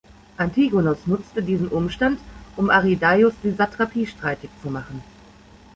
Antigonos nutzte diesen Umstand, um Arrhidaios die Satrapie streitig zu machen.